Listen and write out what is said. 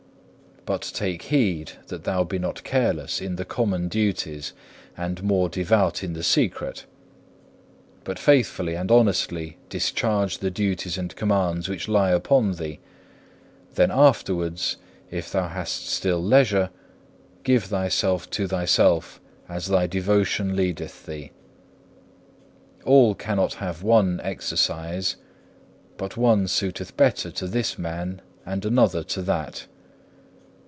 But take heed that thou be not careless in the common duties, and more devout in the secret; but faithfully and honestly discharge the duties and commands which lie upon thee, then afterwards, if thou hast still leisure, give thyself to thyself as thy devotion leadeth thee. All cannot have one exercise, but one suiteth better to this man and another to that.